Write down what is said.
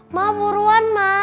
ma buruan ma